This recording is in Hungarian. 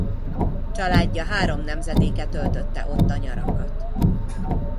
Családja három nemzedéke töltötte ott a nyarakat.